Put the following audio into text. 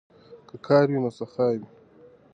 که کار وي نو سخا وي.